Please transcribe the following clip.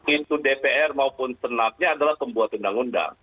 itu dpr maupun senatnya adalah pembuat undang undang